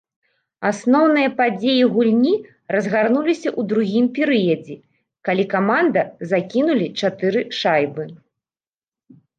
Асноўныя падзеі гульні разгарнуліся ў другім перыядзе, калі каманда закінулі чатыры шайбы.